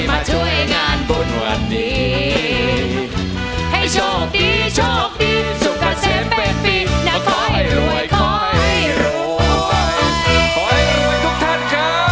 ขอให้รวยขอให้รวยขอให้รวยขอให้รวยทุกท่านครับ